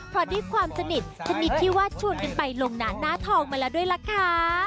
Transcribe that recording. เพราะด้วยความสนิทชนิดที่ว่าชวนกันไปลงหน้าทองมาแล้วด้วยล่ะค่ะ